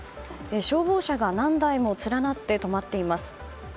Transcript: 消防車が何台も連なって止まっています。